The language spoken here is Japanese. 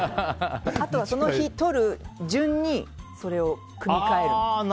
あとは、その日撮る順にそれを組み替える。